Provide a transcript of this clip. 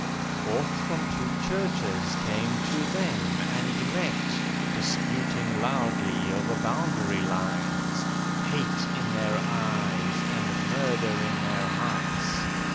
Forth from two churches came two men, and met, Disputing loudly over boundary lines, Hate in their eyes, and murder in their hearts.